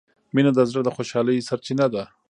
مینه د زړه د خوشحالۍ سرچینه ده.